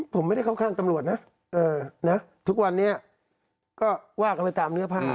ผมไม่ได้เข้าข้างตำรวจนะทุกวันนี้ก็ว่ากันไปตามเนื้อผ้า